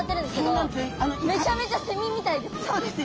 そうです。